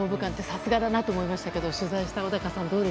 さすがだなと思いましたけども取材した小高さん